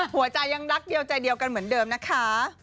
หัวใจยังรักเดียวใจเดียวกันเหมือนเดิมนะคะ